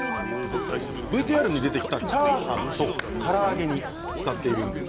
ＶＴＲに出てきたチャーハンとから揚げに使っているんです。